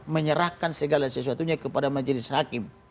menyerahkan segala sesuatunya kepada majelis hakim